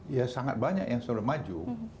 ya sangat banyak yang sudah maju